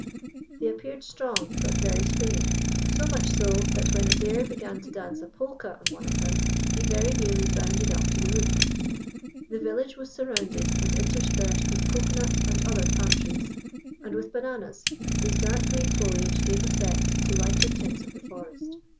They appeared strong, but very springy, so much so, that when Adair began to dance a polka on one of them, he very nearly bounded up to the roof. The village was surrounded and interspersed with cocoa nut and other palm trees, and with bananas, whose dark green foliage gave effect to lighter tints of the forest.